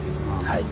はい。